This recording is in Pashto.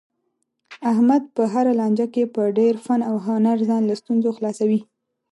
احمد په هره لانجه کې په ډېر فن او هنر ځان له ستونزو خلاصوي.